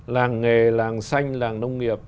làng nghề làng xanh làng nông nghiệp